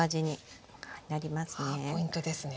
ポイントですね。